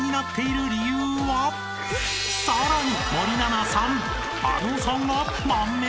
［さらに］